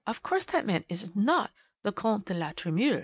of course that man is not the Comte de la Tremouille.'"